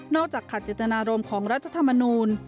จากขัดเจตนารมณ์ของรัฐธรรมนูล